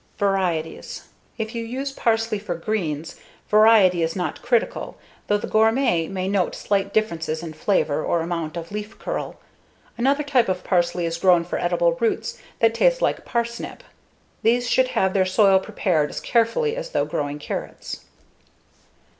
Varieties: If you use parsley for greens, variety is not critical, though the gourmet may note slight differences in flavor or amount of leaf curl. Another type of parsley is grown for edible roots that taste much like parsnip. These should have their soil prepared as carefully as though growing carrots.